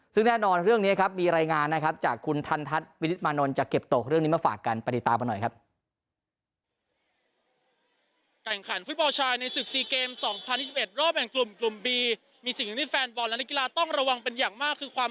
ซึ่งแน่นอนเรื่องนี้ครับมีรายงานนะครับจากคุณทันทัศน์วินิตมานนท์จะเก็บตกเรื่องนี้มาฝากกันไปติดตามกันหน่อยครับ